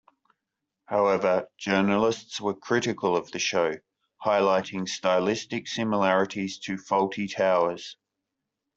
However, journalists were critical of the show, highlighting stylistic similarities to "Fawlty Towers".